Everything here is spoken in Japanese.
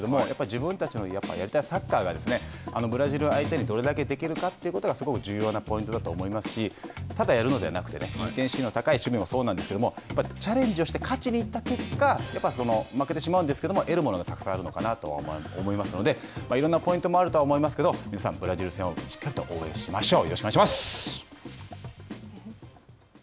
スコアもそうなんですけれども、やっぱり自分たちのやりたいサッカーが、ブラジル相手にどれだけできるかということがすごく重要なポイントだと思いますし、ただやるのではなくてインテンシティの高い守備もそうですがやっぱりチャレンジをして勝ちにいった結果負けしまうんですけれども、得るものがたくさんあるのかなとは思いますので、いろんなポイントもあると思いますが、皆さん、ブラジル戦をしっかりと応援しましょう。